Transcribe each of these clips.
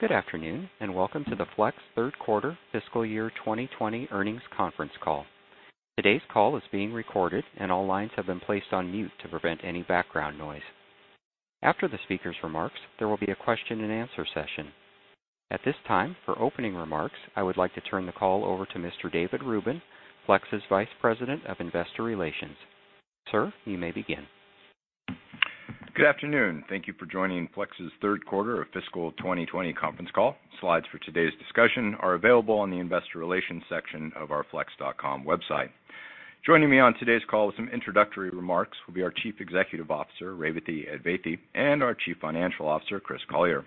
Good afternoon and welcome to the Flex third quarter fiscal year 2020 earnings conference call. Today's call is being recorded and all lines have been placed on mute to prevent any background noise. After the speaker's remarks, there will be a question and answer session. At this time, for opening remarks, I would like to turn the call over to Mr. David Rubin, Flex's Vice President of Investor Relations. Sir, you may begin. Good afternoon. Thank you for joining Flex's third quarter of fiscal 2020 conference call. Slides for today's discussion are available on the investor relations section of our flex.com website. Joining me on today's call with some introductory remarks will be our Chief Executive Officer, Revathi Advaithi, and our Chief Financial Officer, Chris Collier.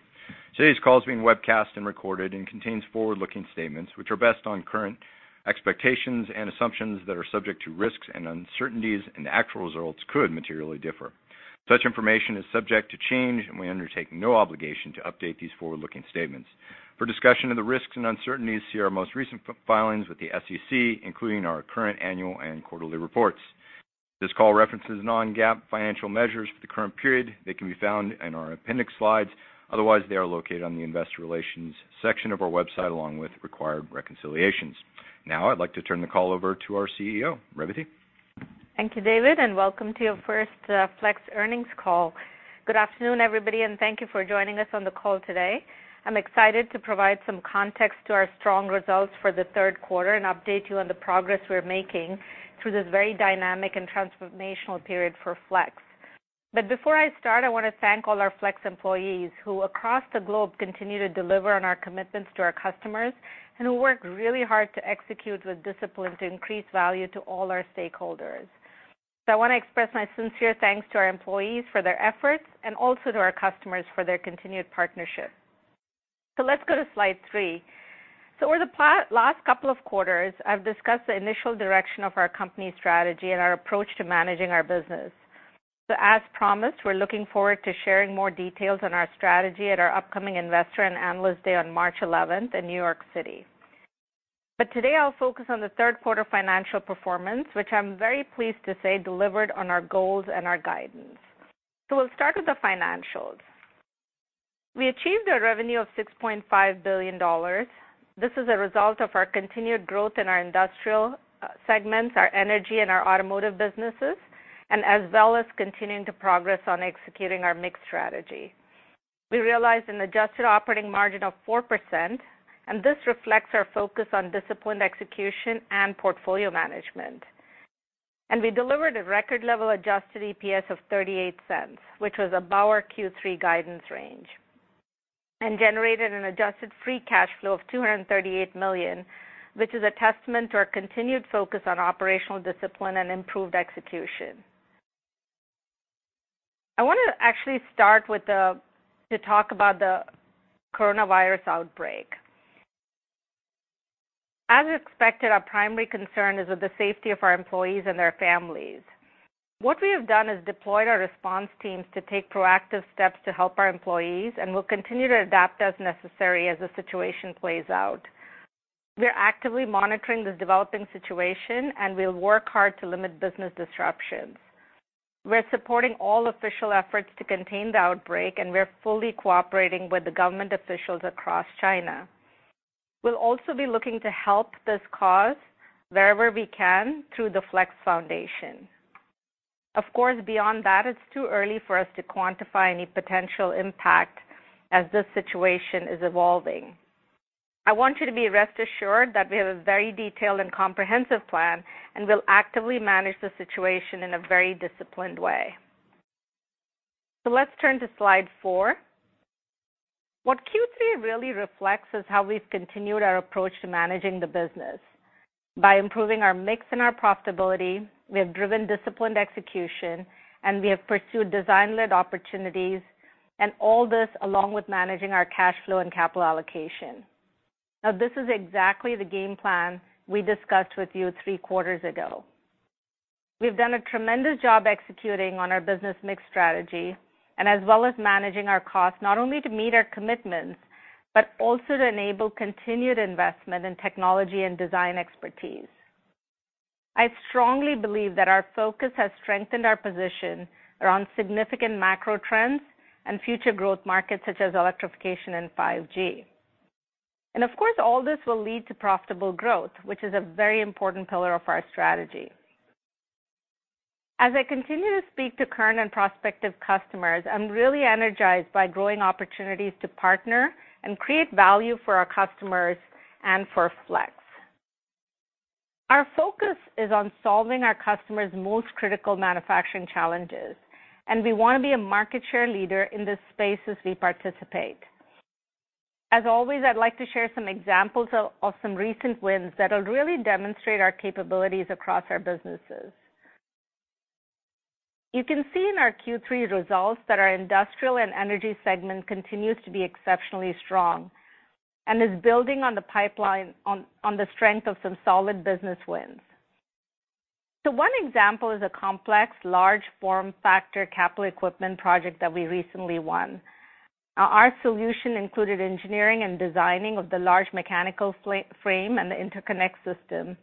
Today's call is being webcast and recorded and contains forward-looking statements which are based on current expectations and assumptions that are subject to risks and uncertainties, and actual results could materially differ. Such information is subject to change and we undertake no obligation to update these forward-looking statements. For discussion of the risks and uncertainties, see our most recent filings with the SEC, including our current annual and quarterly reports. This call references non-GAAP financial measures for the current period. They can be found in our appendix slides. Otherwise, they are located on the investor relations section of our website along with required reconciliations. Now, I'd like to turn the call over to our CEO, Revathi. Thank you, David, and welcome to your first Flex earnings call. Good afternoon, everybody, and thank you for joining us on the call today. I'm excited to provide some context to our strong results for the third quarter and update you on the progress we're making through this very dynamic and transformational period for Flex. But before I start, I want to thank all our Flex employees who across the globe continue to deliver on our commitments to our customers and who work really hard to execute with discipline to increase value to all our stakeholders. So I want to express my sincere thanks to our employees for their efforts and also to our customers for their continued partnership. So let's go to slide three. So over the last couple of quarters, I've discussed the initial direction of our company strategy and our approach to managing our business. As promised, we're looking forward to sharing more details on our strategy at our upcoming Investor and Analyst Day on March 11th in New York City. Today, I'll focus on the third quarter financial performance, which I'm very pleased to say delivered on our goals and our guidance. We'll start with the financials. We achieved a revenue of $6.5 billion. This is a result of our continued growth in our industrial segments, our energy, and our automotive businesses, and as well as continuing to progress on executing our mix strategy. We realized an Adjusted Operating Margin of 4%, and this reflects our focus on disciplined execution and portfolio management. We delivered a record-level adjusted EPS of $0.38, which was above our Q3 guidance range, and generated an Adjusted Free Cash Flow of $238 million, which is a testament to our continued focus on operational discipline and improved execution. I want to actually start with that to talk about the coronavirus outbreak. As expected, our primary concern is with the safety of our employees and their families. What we have done is deployed our response teams to take proactive steps to help our employees, and we'll continue to adapt as necessary as the situation plays out. We're actively monitoring this developing situation, and we'll work hard to limit business disruptions. We're supporting all official efforts to contain the outbreak, and we're fully cooperating with the government officials across China. We'll also be looking to help this cause wherever we can through the Flex Foundation. Of course, beyond that, it's too early for us to quantify any potential impact as this situation is evolving. I want you to be rest assured that we have a very detailed and comprehensive plan, and we'll actively manage the situation in a very disciplined way. So let's turn to slide four. What Q3 really reflects is how we've continued our approach to managing the business. By improving our mix and our profitability, we have driven disciplined execution, and we have pursued design-led opportunities, and all this along with managing our cash flow and capital allocation. Now, this is exactly the game plan we discussed with you three quarters ago. We've done a tremendous job executing on our business mix strategy and as well as managing our costs not only to meet our commitments, but also to enable continued investment in technology and design expertise. I strongly believe that our focus has strengthened our position around significant macro trends and future growth markets such as electrification and 5G, and of course, all this will lead to profitable growth, which is a very important pillar of our strategy. As I continue to speak to current and prospective customers, I'm really energized by growing opportunities to partner and create value for our customers and for Flex. Our focus is on solving our customers' most critical manufacturing challenges, and we want to be a market share leader in this space as we participate. As always, I'd like to share some examples of some recent wins that'll really demonstrate our capabilities across our businesses. You can see in our Q3 results that our industrial and energy segment continues to be exceptionally strong and is building on the pipeline on the strength of some solid business wins. One example is a complex large form factor capital equipment project that we recently won. Our solution included engineering and designing of the large mechanical frame and the interconnect system,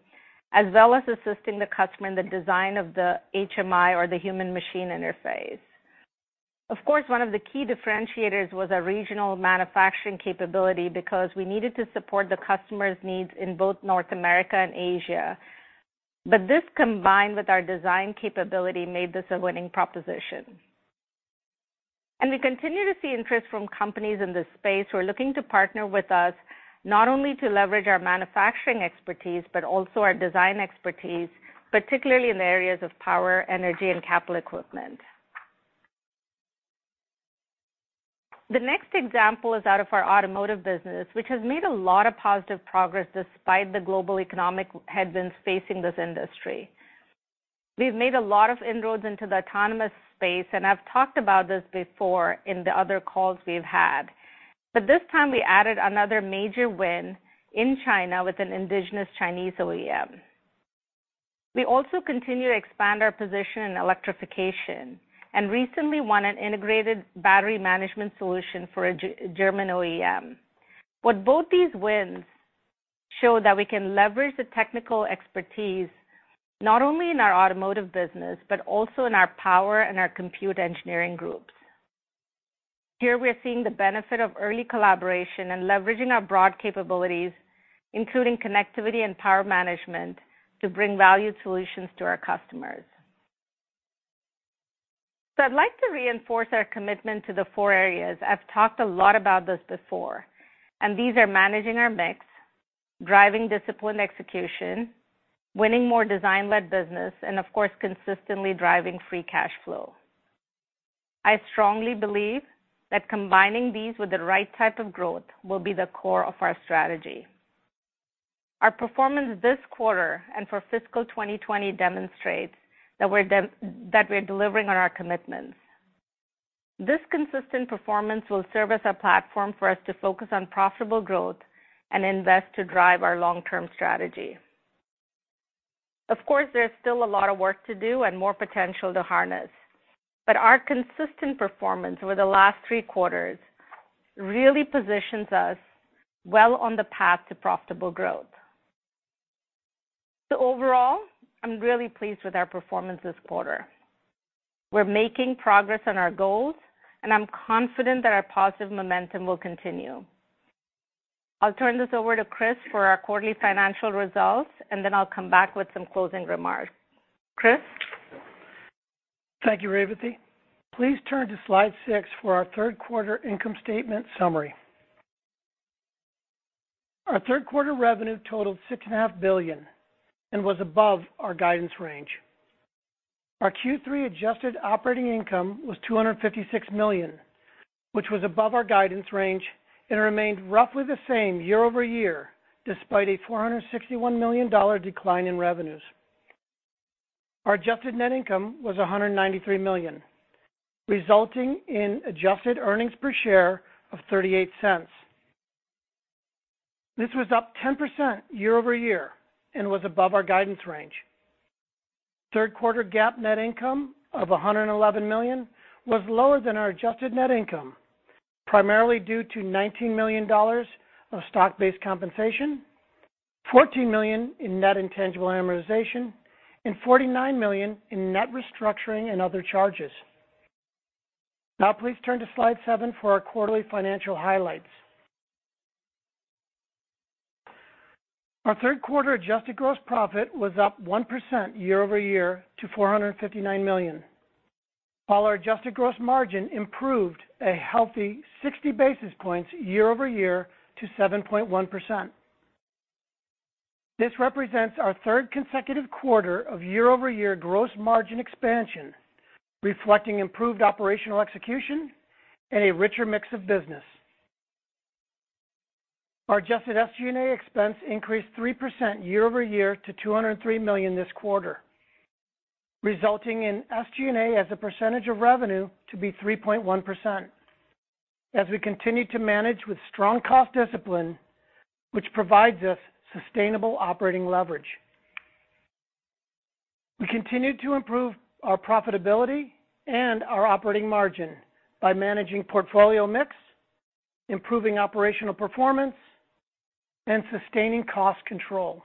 as well as assisting the customer in the design of the HMI or the human machine interface. Of course, one of the key differentiators was our regional manufacturing capability because we needed to support the customer's needs in both North America and Asia. This combined with our design capability made this a winning proposition. We continue to see interest from companies in this space who are looking to partner with us not only to leverage our manufacturing expertise, but also our design expertise, particularly in the areas of power, energy, and capital equipment. The next example is out of our automotive business, which has made a lot of positive progress despite the global economic headwinds facing this industry. We've made a lot of inroads into the autonomous space, and I've talked about this before in the other calls we've had. But this time, we added another major win in China with an indigenous Chinese OEM. We also continue to expand our position in electrification and recently won an integrated battery management solution for a German OEM. What both these wins show is that we can leverage the technical expertise not only in our automotive business, but also in our power and our compute engineering groups. Here we are seeing the benefit of early collaboration and leveraging our broad capabilities, including connectivity and power management, to bring value solutions to our customers. So I'd like to reinforce our commitment to the four areas. I've talked a lot about this before, and these are managing our mix, driving disciplined execution, winning more design-led business, and of course, consistently driving free cash flow. I strongly believe that combining these with the right type of growth will be the core of our strategy. Our performance this quarter and for fiscal 2020 demonstrates that we're delivering on our commitments. This consistent performance will serve as a platform for us to focus on profitable growth and invest to drive our long-term strategy. Of course, there's still a lot of work to do and more potential to harness, but our consistent performance over the last three quarters really positions us well on the path to profitable growth. So overall, I'm really pleased with our performance this quarter. We're making progress on our goals, and I'm confident that our positive momentum will continue. I'll turn this over to Chris for our quarterly financial results, and then I'll come back with some closing remarks. Chris. Thank you, Revathi. Please turn to Slide 6 for our third quarter income statement summary. Our third quarter revenue totaled $6.5 billion and was above our guidance range. Our Q3 Adjusted Operating Income was $256 million, which was above our guidance range and remained roughly the same year-over-year despite a $461 million decline in revenues. Our Adjusted Net Income was $193 million, resulting in adjusted earnings per share of $0.38. This was up 10% year-over-year and was above our guidance range. Third quarter GAAP net income of $111 million was lower than our Adjusted Net Income, primarily due to $19 million of stock-based compensation, $14 million in net intangible amortization, and $49 million in net restructuring and other charges. Now, please turn to Slide 7 for our quarterly financial highlights. Our third quarter adjusted gross profit was up 1% year-over-year to $459 million, while our adjusted gross margin improved a healthy 60 basis points year-over-year to 7.1%. This represents our third consecutive quarter of year-over-year gross margin expansion, reflecting improved operational execution and a richer mix of business. Our adjusted SG&A expense increased 3% year-over-year to $203 million this quarter, resulting in SG&A as a percentage of revenue to be 3.1% as we continue to manage with strong cost discipline, which provides us sustainable operating leverage. We continue to improve our profitability and our operating margin by managing portfolio mix, improving operational performance, and sustaining cost control.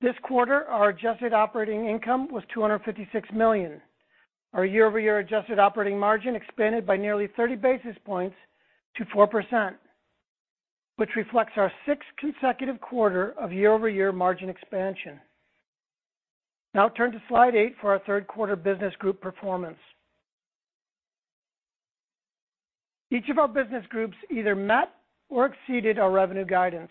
This quarter, our Adjusted Operating Income was $256 million. Our year-over-year Adjusted Operating Margin expanded by nearly 30 basis points to 4%, which reflects our sixth consecutive quarter of year-over-year margin expansion. Now, turn to Slide 8 for our third quarter business group performance. Each of our business groups either met or exceeded our revenue guidance.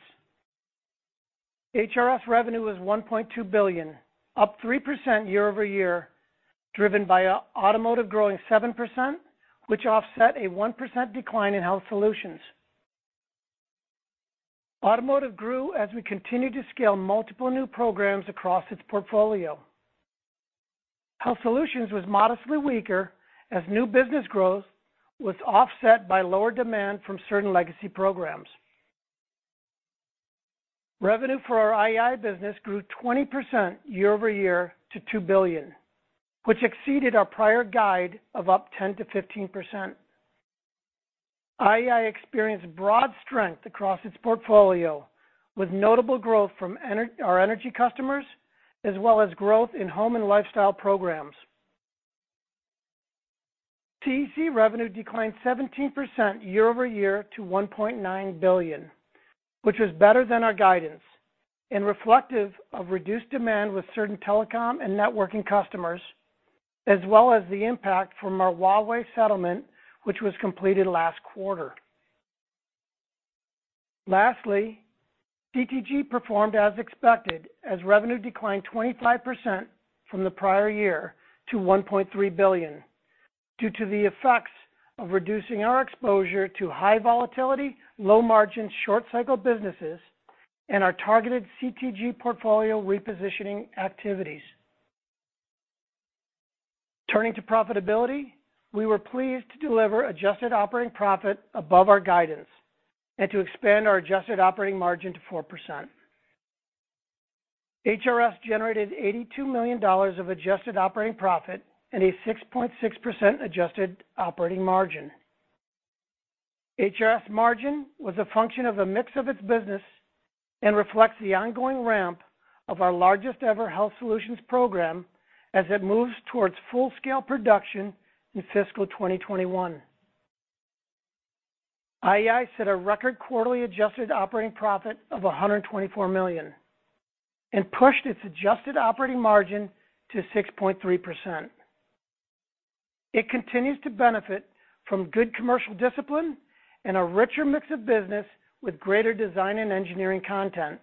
HRS revenue was $1.2 billion, up 3% year-over-year, driven by Automotive growing 7%, which offset a 1% decline in Health Solutions. Automotive grew as we continued to scale multiple new programs across its portfolio. Health Solutions was modestly weaker as new business growth was offset by lower demand from certain legacy programs. Revenue for our IEI business grew 20% year-over-year to $2 billion, which exceeded our prior guide of up 10%-15%. IEI experienced broad strength across its portfolio with notable growth from our energy customers as well as growth in Home and Lifestyle programs. CEC revenue declined 17% year-over-year to $1.9 billion, which was better than our guidance and reflective of reduced demand with certain telecom and networking customers, as well as the impact from our Huawei settlement, which was completed last quarter. Lastly, CTG performed as expected as revenue declined 25% from the prior year to $1.3 billion due to the effects of reducing our exposure to high volatility, low margins, short-cycle businesses, and our targeted CTG portfolio repositioning activities. Turning to profitability, we were pleased to deliver adjusted operating profit above our guidance and to expand our Adjusted Operating Margin to 4%. HRS generated $82 million of adjusted operating profit and a 6.6% Adjusted Operating Margin. HRS margin was a function of a mix of its business and reflects the ongoing ramp of our largest ever Health Solutions program as it moves towards full-scale production in fiscal 2021. IEI set a record quarterly adjusted operating profit of $124 million and pushed its Adjusted Operating Margin to 6.3%. It continues to benefit from good commercial discipline and a richer mix of business with greater design and engineering content.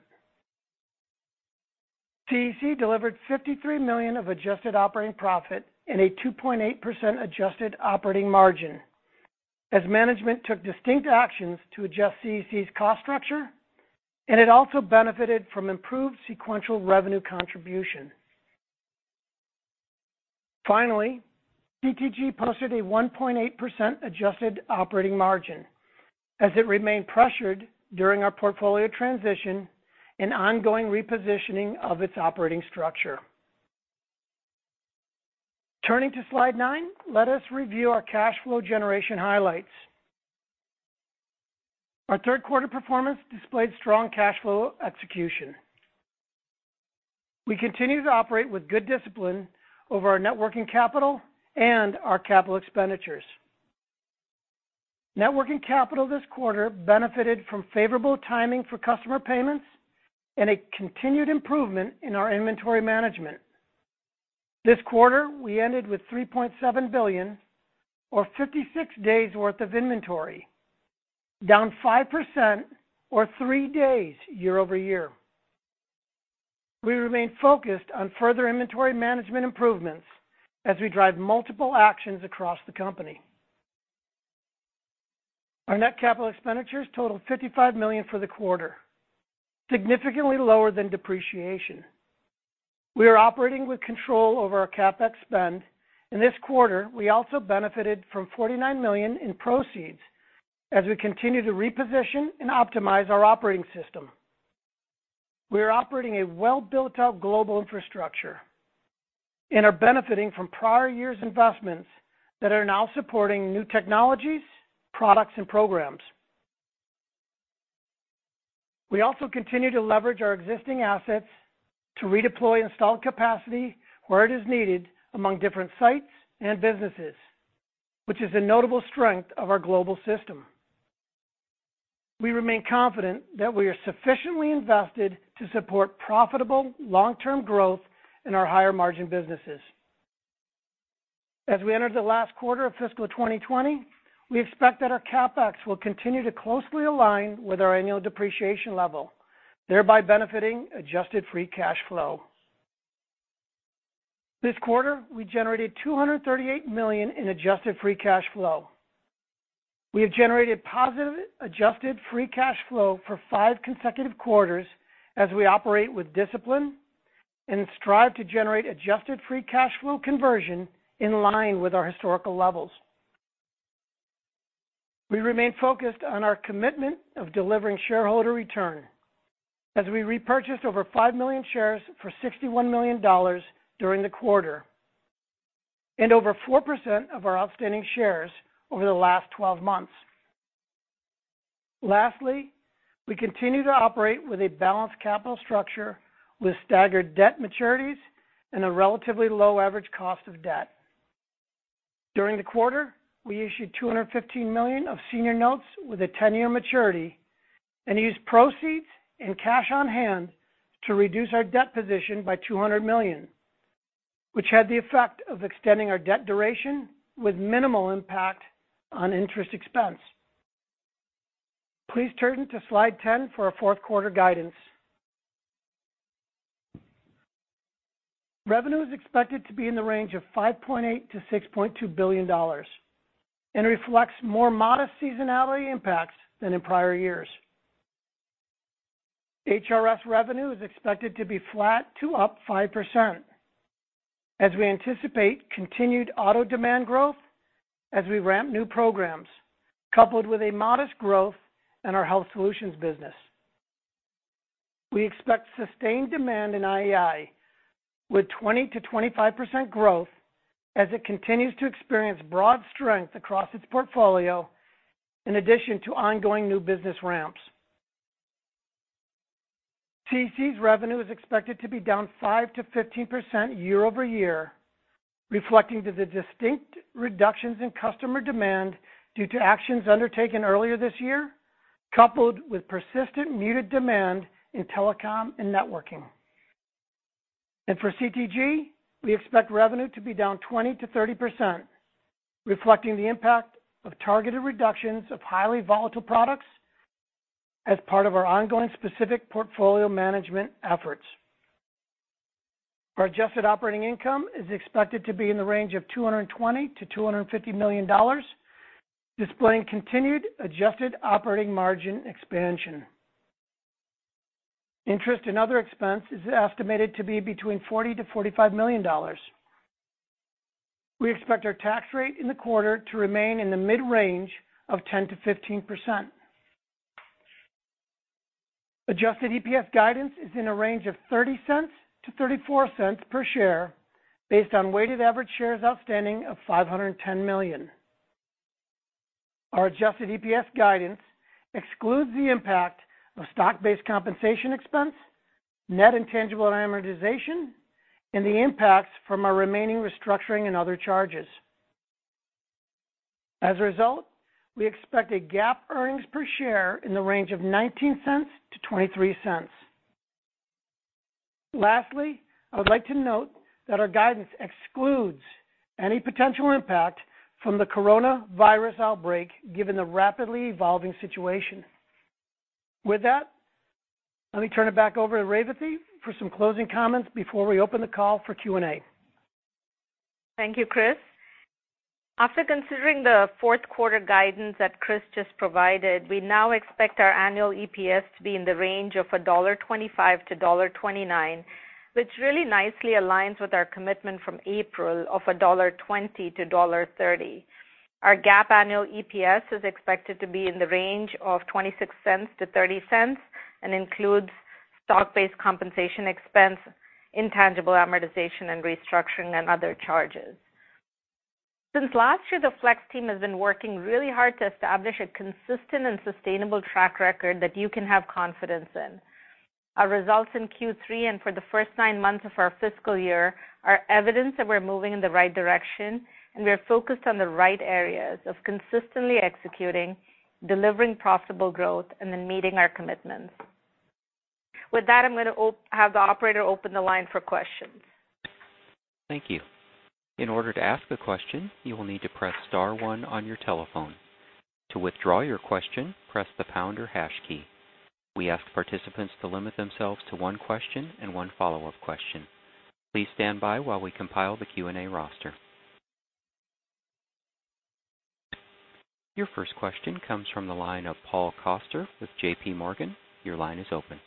CEC delivered $53 million of adjusted operating profit and a 2.8% Adjusted Operating Margin as management took distinct actions to adjust CEC's cost structure, and it also benefited from improved sequential revenue contribution. Finally, CTG posted a 1.8% Adjusted Operating Margin as it remained pressured during our portfolio transition and ongoing repositioning of its operating structure. Turning to Slide 9, let us review our cash flow generation highlights. Our third quarter performance displayed strong cash flow execution. We continue to operate with good discipline over our net working capital and our capital expenditures. Net working capital this quarter benefited from favorable timing for customer payments and a continued improvement in our inventory management. This quarter, we ended with $3.7 billion or 56 days' worth of inventory, down 5% or three days year-over-year. We remain focused on further inventory management improvements as we drive multiple actions across the company. Our net capital expenditures totaled $55 million for the quarter, significantly lower than depreciation. We are operating with control over our CapEx spend, and this quarter, we also benefited from $49 million in proceeds as we continue to reposition and optimize our operating system. We are operating a well-built-out global infrastructure and are benefiting from prior year's investments that are now supporting new technologies, products, and programs. We also continue to leverage our existing assets to redeploy installed capacity where it is needed among different sites and businesses, which is a notable strength of our global system. We remain confident that we are sufficiently invested to support profitable long-term growth in our higher margin businesses. As we enter the last quarter of fiscal 2020, we expect that our CapEx will continue to closely align with our annual depreciation level, thereby benefiting Adjusted Free Cash Flow. This quarter, we generated $238 million in Adjusted Free Cash Flow. We have generated positive Adjusted Free Cash Flow for five consecutive quarters as we operate with discipline and strive to generate Adjusted Free Cash Flow conversion in line with our historical levels. We remain focused on our commitment of delivering shareholder return as we repurchased over five million shares for $61 million during the quarter and over 4% of our outstanding shares over the last 12 months. Lastly, we continue to operate with a balanced capital structure with staggered debt maturities and a relatively low average cost of debt. During the quarter, we issued $215 million of senior notes with a 10-year maturity and used proceeds and cash on hand to reduce our debt position by $200 million, which had the effect of extending our debt duration with minimal impact on interest expense. Please turn to Slide 10 for our fourth quarter guidance. Revenue is expected to be in the range of $5.8 billion-$6.2 billion and reflects more modest seasonality impacts than in prior years. HRS revenue is expected to be flat to up 5% as we anticipate continued auto demand growth as we ramp new programs, coupled with a modest growth in our Health Solutions business. We expect sustained demand in IEI with 20%-25% growth as it continues to experience broad strength across its portfolio in addition to ongoing new business ramps. CEC's revenue is expected to be down 5%-15% year-over-year, reflecting the distinct reductions in customer demand due to actions undertaken earlier this year, coupled with persistent muted demand in telecom and networking. And for CTG, we expect revenue to be down 20%-30%, reflecting the impact of targeted reductions of highly volatile products as part of our ongoing specific portfolio management efforts. Our Adjusted Operating Income is expected to be in the range of $220 million-$250 million, displaying continued Adjusted Operating Margin expansion. Interest and other expense is estimated to be between $40 million-$45 million. We expect our tax rate in the quarter to remain in the mid-range of 10%-15%. Adjusted EPS Guidance is in a range of $0.30-$0.34 per share based on weighted average shares outstanding of 510 million. Our Adjusted EPS Guidance excludes the impact of stock-based compensation expense, net intangible amortization, and the impacts from our remaining restructuring and other charges. As a result, we expect a GAAP earnings per share in the range of $0.19-$0.23. Lastly, I would like to note that our guidance excludes any potential impact from the coronavirus outbreak given the rapidly evolving situation. With that, let me turn it back over to Revathi for some closing comments before we open the call for Q&A. Thank you, Chris. After considering the fourth quarter guidance that Chris just provided, we now expect our annual EPS to be in the range of $1.25-$1.29, which really nicely aligns with our commitment from April of $1.20-$1.30. Our GAAP annual EPS is expected to be in the range of $0.26-$0.30 and includes stock-based compensation expense, intangible amortization, and restructuring and other charges. Since last year, the Flex team has been working really hard to establish a consistent and sustainable track record that you can have confidence in. Our results in Q3 and for the first nine months of our fiscal year are evidence that we're moving in the right direction, and we're focused on the right areas of consistently executing, delivering profitable growth, and then meeting our commitments. With that, I'm going to have the operator open the line for questions. Thank you. In order to ask a question, you will need to press star one on your telephone. To withdraw your question, press the pound or hash key. We ask participants to limit themselves to one question and one follow-up question. Please stand by while we compile the Q&A roster. Your first question comes from the line of Paul Coster with JPMorgan. Your line is open.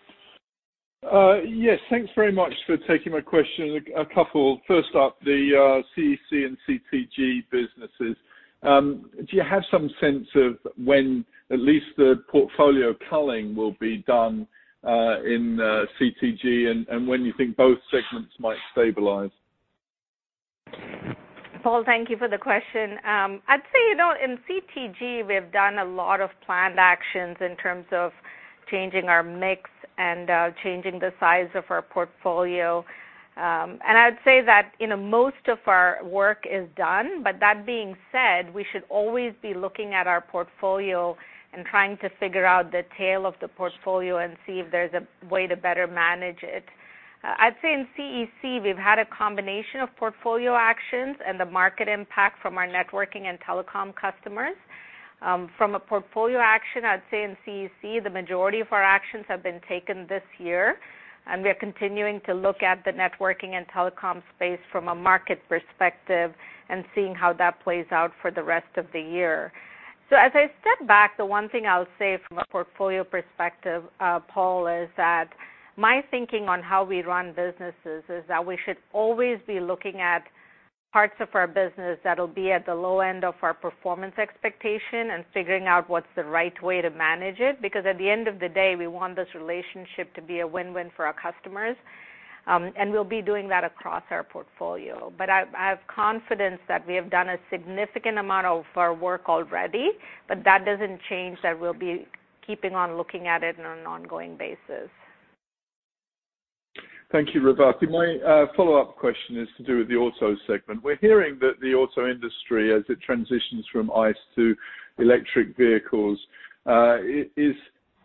Yes, thanks very much for taking my question. A couple of first up, the CEC and CTG businesses. Do you have some sense of when at least the portfolio culling will be done in CTG and when you think both segments might stabilize? Paul, thank you for the question. I'd say in CTG, we've done a lot of planned actions in terms of changing our mix and changing the size of our portfolio, and I'd say that most of our work is done, but that being said, we should always be looking at our portfolio and trying to figure out the tail of the portfolio and see if there's a way to better manage it. I'd say in CEC, we've had a combination of portfolio actions and the market impact from our networking and telecom customers. From a portfolio action, I'd say in CEC, the majority of our actions have been taken this year, and we are continuing to look at the networking and telecom space from a market perspective and seeing how that plays out for the rest of the year. So as I step back, the one thing I'll say from a portfolio perspective, Paul, is that my thinking on how we run businesses is that we should always be looking at parts of our business that will be at the low end of our performance expectation and figuring out what's the right way to manage it because at the end of the day, we want this relationship to be a win-win for our customers, and we'll be doing that across our portfolio. But I have confidence that we have done a significant amount of our work already, but that doesn't change that we'll be keeping on looking at it on an ongoing basis. Thank you, Revathi. My follow-up question is to do with the auto segment. We're hearing that the auto industry, as it transitions from ICE to electric vehicles, is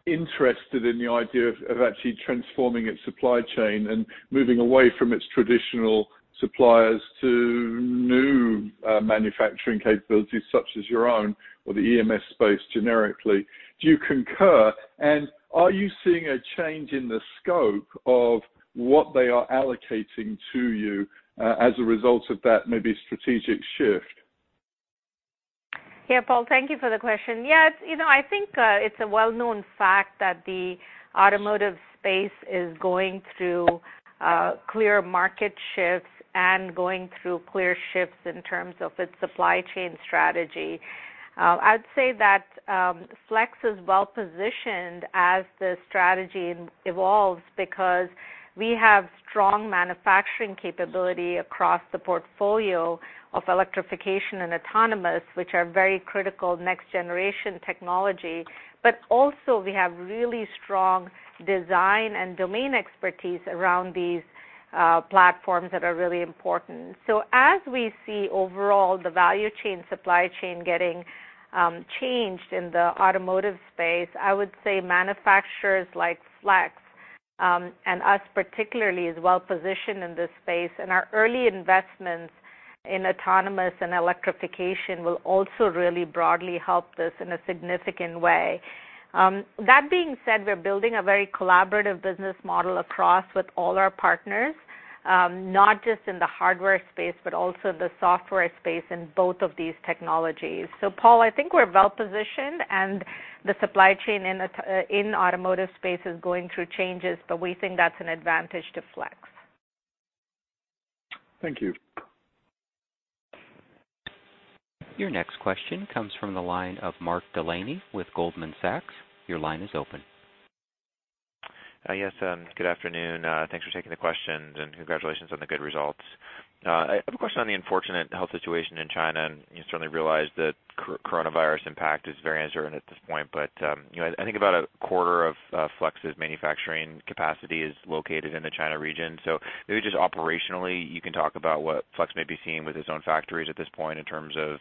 interested in the idea of actually transforming its supply chain and moving away from its traditional suppliers to new manufacturing capabilities such as your own or the EMS space generically. Do you concur? And are you seeing a change in the scope of what they are allocating to you as a result of that maybe strategic shift? Yeah, Paul, thank you for the question. Yeah, I think it's a well-known fact that the automotive space is going through clear market shifts and going through clear shifts in terms of its supply chain strategy. I'd say that Flex is well-positioned as the strategy evolves because we have strong manufacturing capability across the portfolio of electrification and autonomous, which are very critical next-generation technology, but also we have really strong design and domain expertise around these platforms that are really important. So as we see overall the value chain supply chain getting changed in the automotive space, I would say manufacturers like Flex and us particularly are well-positioned in this space, and our early investments in autonomous and electrification will also really broadly help this in a significant way. That being said, we're building a very collaborative business model across with all our partners, not just in the hardware space but also in the software space in both of these technologies, so Paul, I think we're well-positioned and the supply chain in the automotive space is going through changes, but we think that's an advantage to Flex. Thank you. Your next question comes from the line of Mark Delaney with Goldman Sachs. Your line is open. Yes, good afternoon. Thanks for taking the question and congratulations on the good results. I have a question on the unfortunate health situation in China. You certainly realize the coronavirus impact is very uncertain at this point, but I think about a quarter of Flex's manufacturing capacity is located in the China region. So maybe just operationally, you can talk about what Flex may be seeing with its own factories at this point in terms of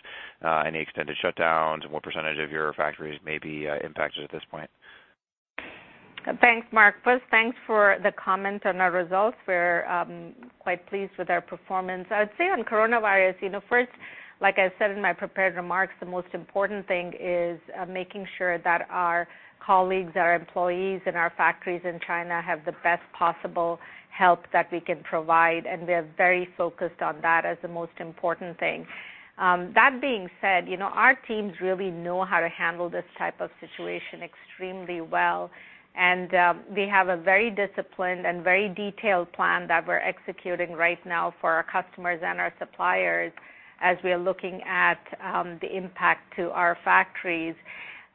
any extended shutdowns and what percentage of your factories may be impacted at this point. Thanks, Mark. First, thanks for the comment on our results. We're quite pleased with our performance. I'd say on coronavirus, first, like I said in my prepared remarks, the most important thing is making sure that our colleagues, our employees, and our factories in China have the best possible help that we can provide, and we're very focused on that as the most important thing. That being said, our teams really know how to handle this type of situation extremely well, and we have a very disciplined and very detailed plan that we're executing right now for our customers and our suppliers as we are looking at the impact to our factories.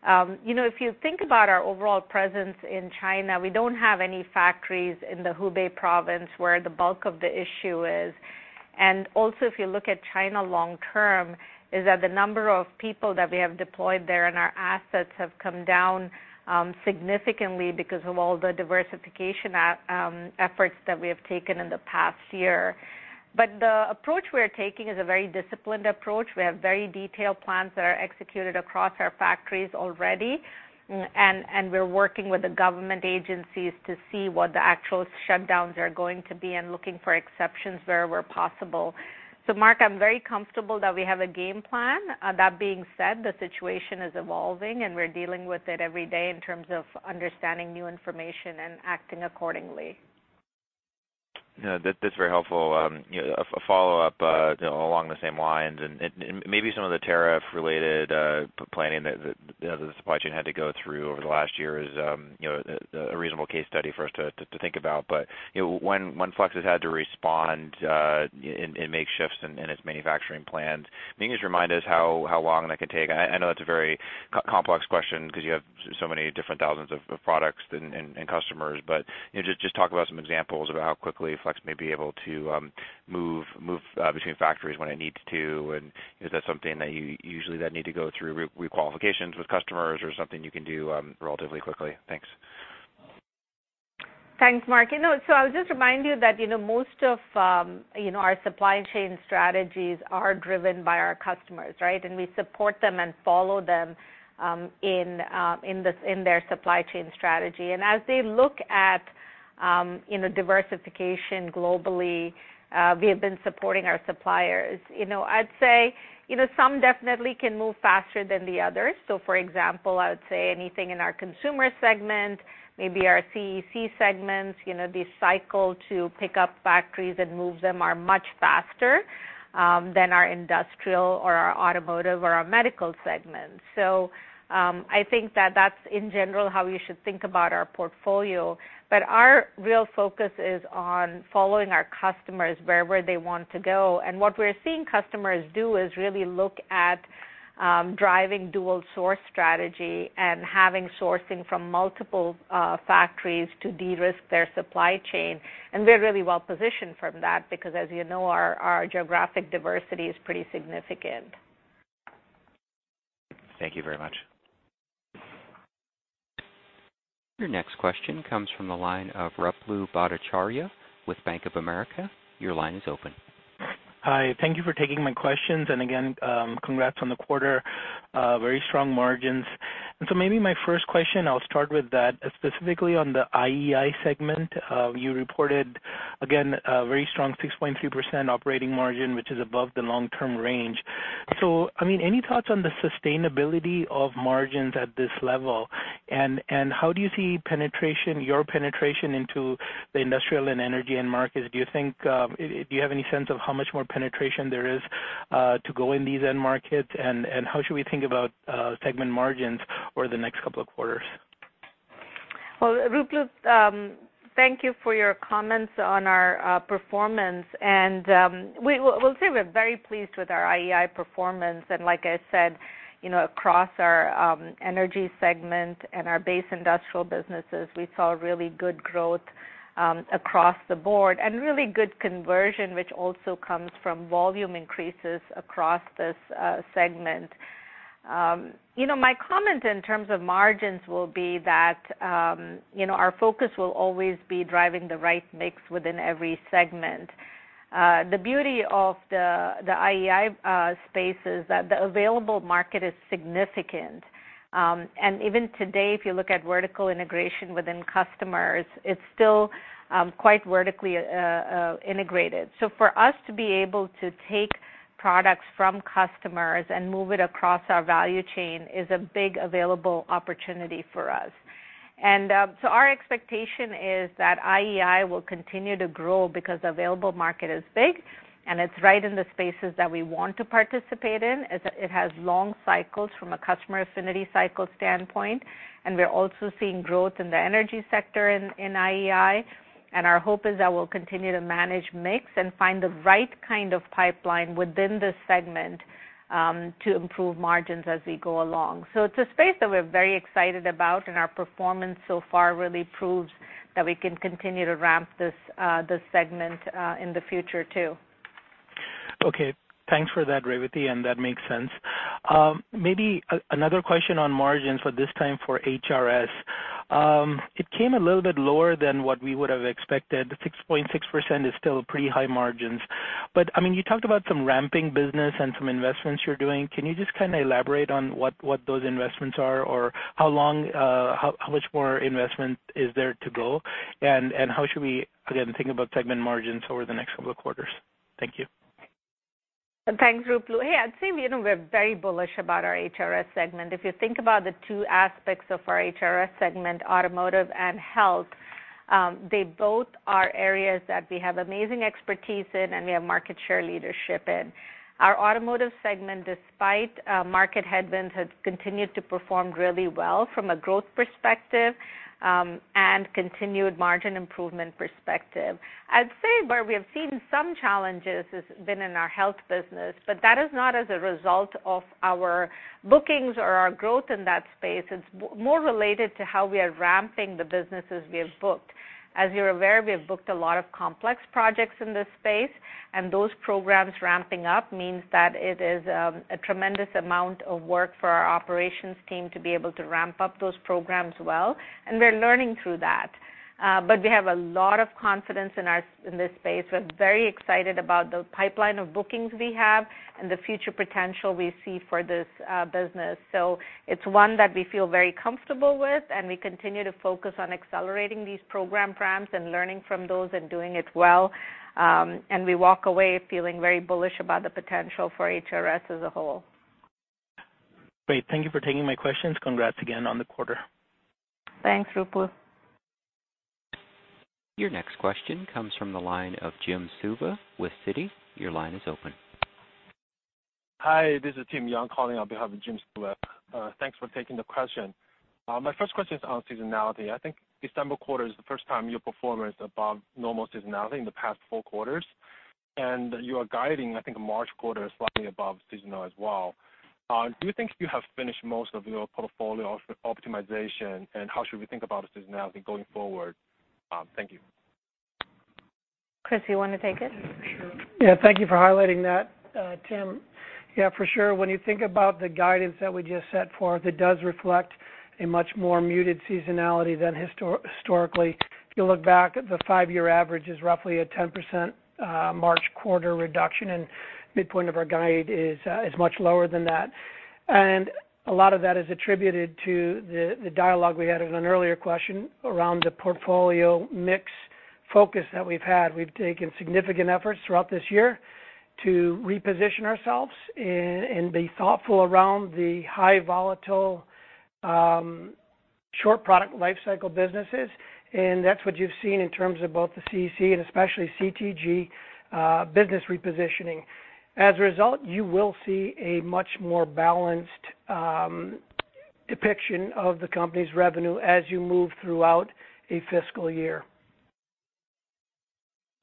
If you think about our overall presence in China, we don't have any factories in the Hubei Province where the bulk of the issue is. And also, if you look at China long-term, it's the number of people that we have deployed there and our assets have come down significantly because of all the diversification efforts that we have taken in the past year. But the approach we're taking is a very disciplined approach. We have very detailed plans that are executed across our factories already, and we're working with the government agencies to see what the actual shutdowns are going to be and looking for exceptions where possible. So Mark, I'm very comfortable that we have a game plan. That being said, the situation is evolving, and we're dealing with it every day in terms of understanding new information and acting accordingly. Yeah, that's very helpful. A follow-up along the same lines and maybe some of the tariff-related planning that the supply chain had to go through over the last year is a reasonable case study for us to think about. But when Flex has had to respond and make shifts in its manufacturing plans, can you just remind us how long that can take? I know that's a very complex question because you have so many different thousands of products and customers, but just talk about some examples about how quickly Flex may be able to move between factories when it needs to. And is that something that usually that need to go through requalifications with customers or something you can do relatively quickly? Thanks. Thanks, Mark. So I'll just remind you that most of our supply chain strategies are driven by our customers, right? And we support them and follow them in their supply chain strategy. And as they look at diversification globally, we have been supporting our suppliers. I'd say some definitely can move faster than the others. So for example, I would say anything in our consumer segment, maybe our CEC segments, the cycle to pick up factories and move them are much faster than our industrial or our automotive or our medical segments. So I think that that's in general how we should think about our portfolio, but our real focus is on following our customers wherever they want to go. And what we're seeing customers do is really look at driving dual-source strategy and having sourcing from multiple factories to de-risk their supply chain. We're really well-positioned from that because, as you know, our geographic diversity is pretty significant. Thank you very much. Your next question comes from the line of Ruplu Bhattacharya with Bank of America. Your line is open. Hi, thank you for taking my questions. And again, congrats on the quarter, very strong margins. And so maybe my first question, I'll start with that. Specifically on the IEI segment, you reported again a very strong 6.3% operating margin, which is above the long-term range. So I mean, any thoughts on the sustainability of margins at this level? And how do you see your penetration into the industrial and energy end markets? Do you think you have any sense of how much more penetration there is to go in these end markets? And how should we think about segment margins over the next couple of quarters? Ruplu, thank you for your comments on our performance. We'll say we're very pleased with our IEI performance. Like I said, across our energy segment and our base industrial businesses, we saw really good growth across the board and really good conversion, which also comes from volume increases across this segment. My comment in terms of margins will be that our focus will always be driving the right mix within every segment. The beauty of the IEI space is that the available market is significant. Even today, if you look at vertical integration within customers, it's still quite vertically integrated. So for us to be able to take products from customers and move it across our value chain is a big available opportunity for us. Our expectation is that IEI will continue to grow because the available market is big and it's right in the spaces that we want to participate in. It has long cycles from a customer affinity cycle standpoint, and we're also seeing growth in the energy sector in IEI. Our hope is that we'll continue to manage mix and find the right kind of pipeline within this segment to improve margins as we go along. It's a space that we're very excited about, and our performance so far really proves that we can continue to ramp this segment in the future too. Okay, thanks for that, Revathi, and that makes sense. Maybe another question on margins for this time for HRS. It came a little bit lower than what we would have expected. 6.6% is still pretty high margins. But I mean, you talked about some ramping business and some investments you're doing. Can you just kind of elaborate on what those investments are or how much more investment is there to go? And how should we, again, think about segment margins over the next couple of quarters? Thank you. Thanks, Ruplu. Hey, I'd say we're very bullish about our HRS segment. If you think about the two aspects of our HRS segment, automotive and health, they both are areas that we have amazing expertise in and we have market share leadership in. Our automotive segment, despite market headwinds, has continued to perform really well from a growth perspective and continued margin improvement perspective. I'd say where we have seen some challenges has been in our health business, but that is not as a result of our bookings or our growth in that space. It's more related to how we are ramping the businesses we have booked. As you're aware, we have booked a lot of complex projects in this space, and those programs ramping up means that it is a tremendous amount of work for our operations team to be able to ramp up those programs well. And we're learning through that. But we have a lot of confidence in this space. We're very excited about the pipeline of bookings we have and the future potential we see for this business. So it's one that we feel very comfortable with, and we continue to focus on accelerating these program ramps and learning from those and doing it well. And we walk away feeling very bullish about the potential for HRS as a whole. Great. Thank you for taking my questions. Congrats again on the quarter. Thanks, Ruplu. Your next question comes from the line of Jim Suva with Citi. Your line is open. Hi, this is Zhen Yang calling on behalf of Jim Suva. Thanks for taking the question. My first question is on seasonality. I think December quarter is the first time your performance above normal seasonality in the past four quarters, and you are guiding, I think, March quarter slightly above seasonal as well. Do you think you have finished most of your portfolio optimization, and how should we think about seasonality going forward? Thank you. Chris, you want to take it? Yeah, thank you for highlighting that, Tim. Yeah, for sure. When you think about the guidance that we just set forth, it does reflect a much more muted seasonality than historically. If you look back, the five-year average is roughly a 10% March quarter reduction, and midpoint of our guide is much lower than that. And a lot of that is attributed to the dialogue we had in an earlier question around the portfolio mix focus that we've had. We've taken significant efforts throughout this year to reposition ourselves and be thoughtful around the high volatile short product lifecycle businesses. And that's what you've seen in terms of both the CEC and especially CTG business repositioning. As a result, you will see a much more balanced depiction of the company's revenue as you move throughout a fiscal year.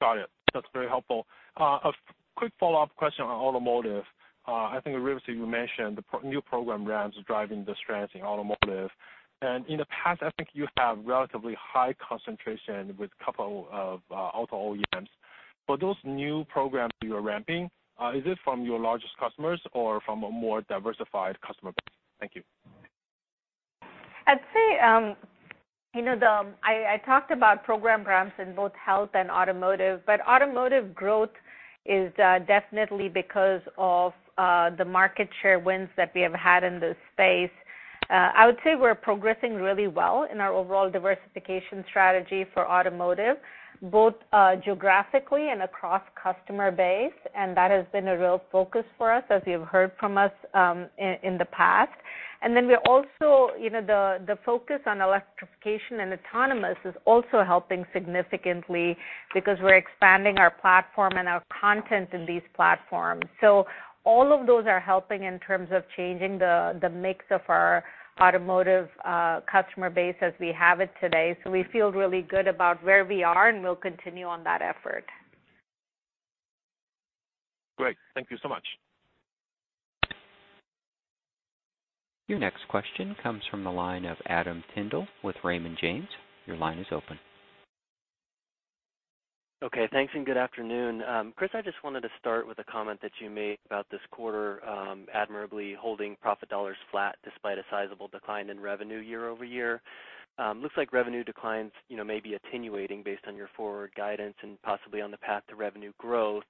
Got it. That's very helpful. A quick follow-up question on automotive. I think, Revathi, you mentioned the new program ramps are driving the strength in automotive. And in the past, I think you have relatively high concentration with a couple of auto OEMs. For those new programs you are ramping, is it from your largest customers or from a more diversified customer base? Thank you. I'd say I talked about program ramps in both health and automotive, but automotive growth is definitely because of the market share wins that we have had in this space. I would say we're progressing really well in our overall diversification strategy for automotive, both geographically and across customer base, and that has been a real focus for us, as you've heard from us in the past, and then our focus on electrification and autonomous is also helping significantly because we're expanding our platform and our content in these platforms, so all of those are helping in terms of changing the mix of our automotive customer base as we have it today, so we feel really good about where we are, and we'll continue on that effort. Great. Thank you so much. Your next question comes from the line of Adam Tindle with Raymond James. Your line is open. Okay, thanks and good afternoon. Chris, I just wanted to start with a comment that you made about this quarter admirably holding profit dollars flat despite a sizable decline in revenue year-over-year. Looks like revenue declines may be attenuating based on your forward guidance and possibly on the path to revenue growth.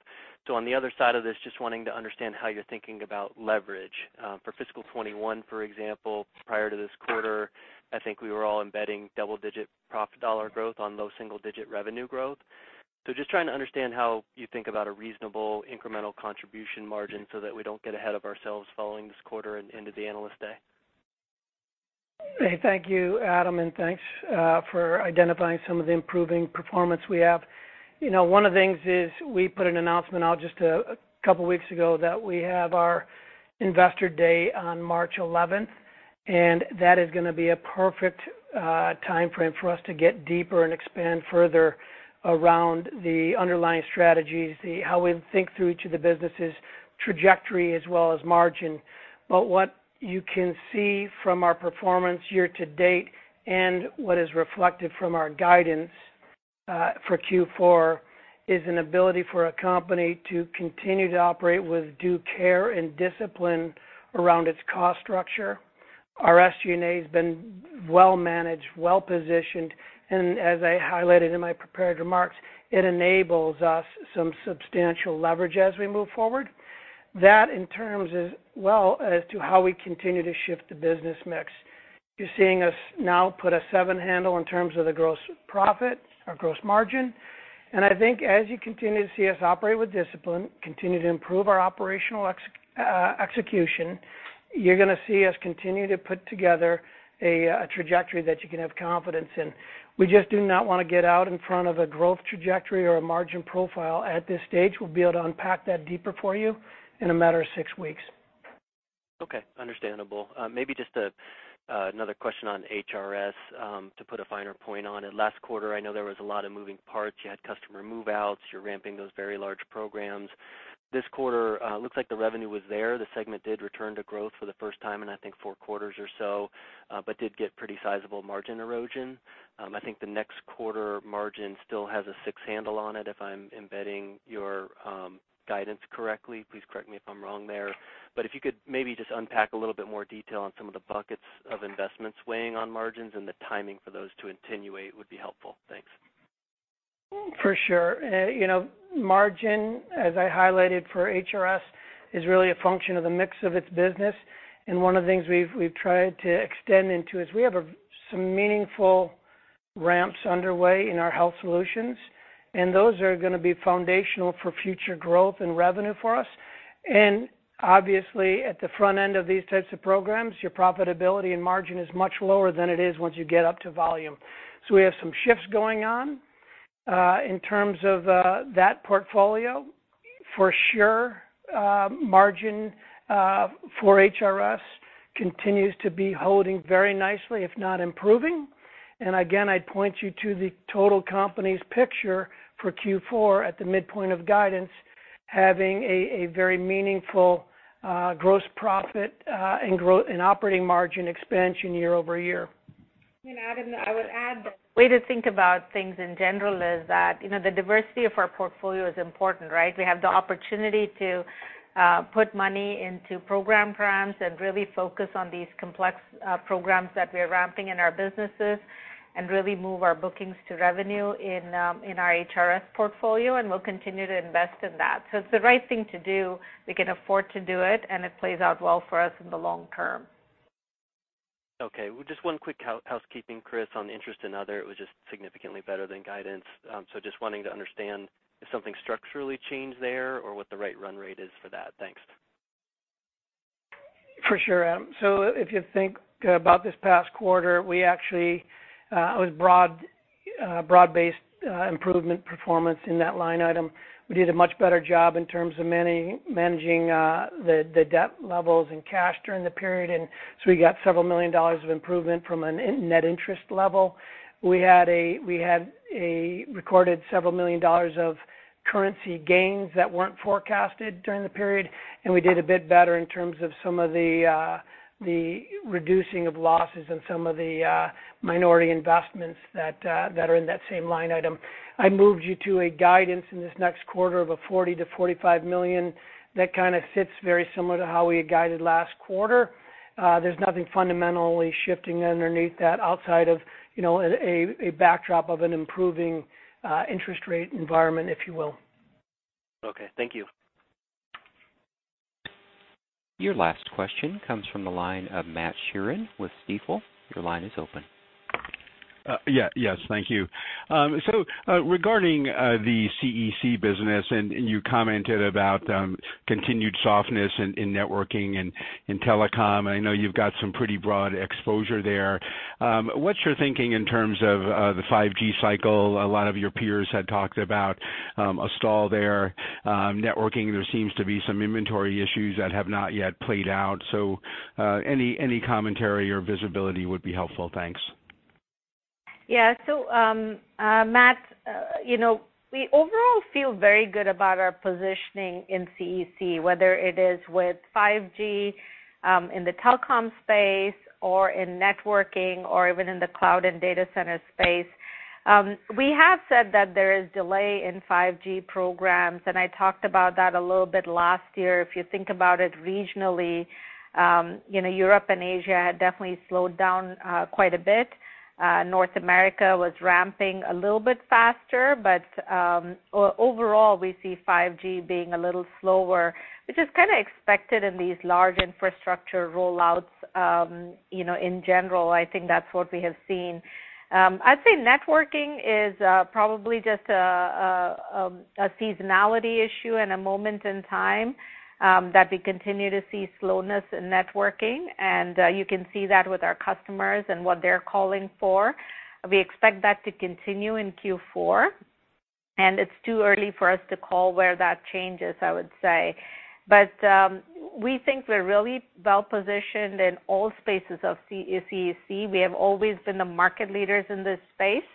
So on the other side of this, just wanting to understand how you're thinking about leverage. For fiscal 2021, for example, prior to this quarter, I think we were all embedding double-digit profit dollar growth on low single-digit revenue growth. So just trying to understand how you think about a reasonable incremental contribution margin so that we don't get ahead of ourselves following this quarter and into the analyst day. Hey, thank you, Adam, and thanks for identifying some of the improving performance we have. One of the things is we put an announcement out just a couple of weeks ago that we have our investor day on March 11th, and that is going to be a perfect time frame for us to get deeper and expand further around the underlying strategies, how we think through each of the businesses' trajectory as well as margin, but what you can see from our performance year to date and what is reflected from our guidance for Q4 is an ability for a company to continue to operate with due care and discipline around its cost structure. Our SG&A has been well-managed, well-positioned, and as I highlighted in my prepared remarks, it enables us some substantial leverage as we move forward. That, in terms, as well as to how we continue to shift the business mix. You're seeing us now put a seven handle in terms of the gross profit or gross margin. And I think as you continue to see us operate with discipline, continue to improve our operational execution, you're going to see us continue to put together a trajectory that you can have confidence in. We just do not want to get out in front of a growth trajectory or a margin profile at this stage. We'll be able to unpack that deeper for you in a matter of six weeks. Okay, understandable. Maybe just another question on HRS to put a finer point on it. Last quarter, I know there was a lot of moving parts. You had customer move-outs. You're ramping those very large programs. This quarter, it looks like the revenue was there. The segment did return to growth for the first time in, I think, four quarters or so, but did get pretty sizable margin erosion. I think the next quarter margin still has a six handle on it, if I'm reading your guidance correctly. Please correct me if I'm wrong there. But if you could maybe just unpack a little bit more detail on some of the buckets of investments weighing on margins and the timing for those to attenuate, it would be helpful. Thanks. For sure. Margin, as I highlighted for HRS, is really a function of the mix of its business, and one of the things we've tried to extend into is we have some meaningful ramps underway in our Health Solutions, and those are going to be foundational for future growth and revenue for us. And obviously, at the front end of these types of programs, your profitability and margin is much lower than it is once you get up to volume, so we have some shifts going on. In terms of that portfolio, for sure, margin for HRS continues to be holding very nicely, if not improving, and again, I'd point you to the total company's picture for Q4 at the midpoint of guidance, having a very meaningful gross profit and operating margin expansion year-over-year. And Adam, I would add that the way to think about things in general is that the diversity of our portfolio is important, right? We have the opportunity to put money into program ramps and really focus on these complex programs that we are ramping in our businesses and really move our bookings to revenue in our HRS portfolio, and we'll continue to invest in that. So it's the right thing to do. We can afford to do it, and it plays out well for us in the long term. Okay. Just one quick housekeeping, Chris, on interest and other. It was just significantly better than guidance. So just wanting to understand if something structurally changed there or what the right run rate is for that. Thanks. For sure. So if you think about this past quarter, we actually saw broad-based improvement in performance in that line item. We did a much better job in terms of managing the debt levels and cash during the period. And so we got several million dollars of improvement from a net interest level. We recorded several million dollars of currency gains that weren't forecasted during the period, and we did a bit better in terms of some of the reducing of losses and some of the minority investments that are in that same line item. I'm moving you to guidance in this next quarter of $40 million-$45 million. That kind of sits very similar to how we had guided last quarter. There's nothing fundamentally shifting underneath that outside of a backdrop of an improving interest rate environment, if you will. Okay, thank you. Your last question comes from the line of Matt Sheerin with Stifel. Your line is open. Yeah, yes, thank you. So regarding the CEC business, and you commented about continued softness in networking and telecom, and I know you've got some pretty broad exposure there. What's your thinking in terms of the 5G cycle? A lot of your peers had talked about a stall there. Networking, there seems to be some inventory issues that have not yet played out. So any commentary or visibility would be helpful. Thanks. Yeah. So Matt, we overall feel very good about our positioning in CEC, whether it is with 5G in the telecom space or in networking or even in the cloud and data center space. We have said that there is delay in 5G programs, and I talked about that a little bit last year. If you think about it regionally, Europe and Asia had definitely slowed down quite a bit. North America was ramping a little bit faster, but overall, we see 5G being a little slower, which is kind of expected in these large infrastructure rollouts in general. I think that's what we have seen. I'd say networking is probably just a seasonality issue and a moment in time that we continue to see slowness in networking. And you can see that with our customers and what they're calling for. We expect that to continue in Q4, and it's too early for us to call where that changes, I would say, but we think we're really well-positioned in all spaces of CEC. We have always been the market leaders in this space,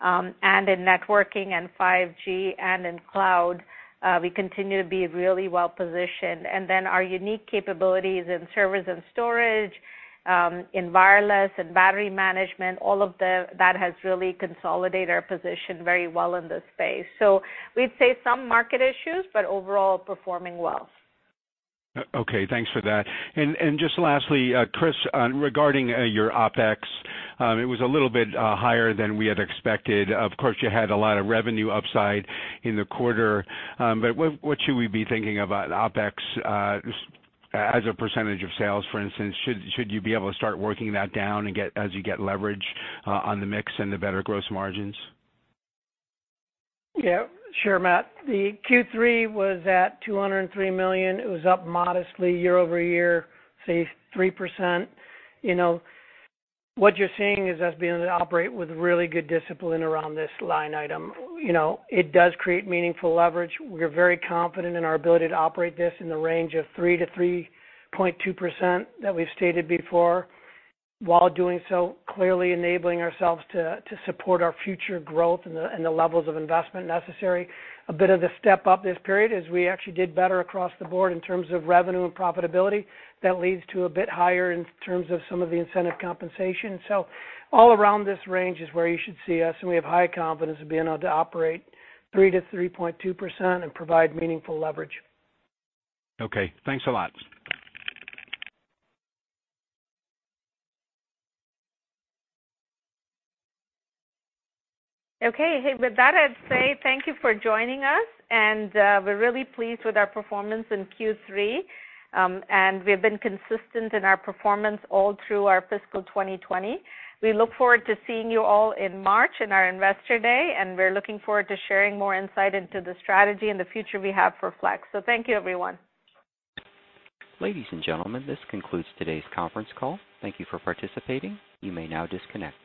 and in networking and 5G and in cloud. We continue to be really well-positioned, and then our unique capabilities in servers and storage, in wireless and battery management, all of that has really consolidated our position very well in this space, so we'd say some market issues, but overall performing well. Okay, thanks for that. And just lastly, Chris, regarding your OpEx, it was a little bit higher than we had expected. Of course, you had a lot of revenue upside in the quarter, but what should we be thinking about OpEx as a percentage of sales, for instance? Should you be able to start working that down as you get leverage on the mix and the better gross margins? Yeah, sure, Matt. The Q3 was at $203 million. It was up modestly year-over-year, say 3%. What you're seeing is us being able to operate with really good discipline around this line item. It does create meaningful leverage. We're very confident in our ability to operate this in the range of 3%-3.2% that we've stated before. While doing so, clearly enabling ourselves to support our future growth and the levels of investment necessary. A bit of the step up this period is we actually did better across the board in terms of revenue and profitability. That leads to a bit higher in terms of some of the incentive compensation. So all around this range is where you should see us, and we have high confidence of being able to operate 3%-3.2% and provide meaningful leverage. Okay, thanks a lot. Okay, with that, I'd say thank you for joining us, and we're really pleased with our performance in Q3. And we've been consistent in our performance all through our fiscal 2020. We look forward to seeing you all in March in our investor day, and we're looking forward to sharing more insight into the strategy and the future we have for Flex. So thank you, everyone. Ladies and gentlemen, this concludes today's conference call. Thank you for participating. You may now disconnect.